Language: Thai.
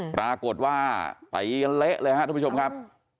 ปรากฏว่าไปเละเลยฮะทุกผู้ชมครับ